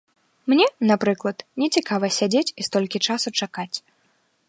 Мне, напрыклад, не цікава сядзець і столькі часу чакаць.